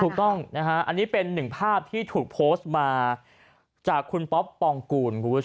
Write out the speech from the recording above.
ถูกต้องอันนี้เป็นหนึ่งภาพที่ถูกโพสต์มาจากคุณป๊อปปองกูล